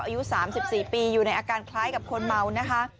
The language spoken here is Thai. อายุ๓๔ปีอยู่ในอาการคล้ายกับคนเมานะคะ